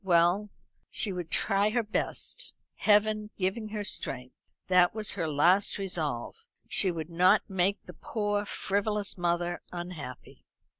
Well, she would try her best, Heaven giving her strength. That was her last resolve. She would not make the poor frivolous mother unhappy.